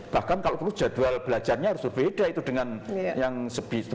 bahkan kalau perlu jadwal belajarnya harus berbeda itu dengan yang seperti biasa ini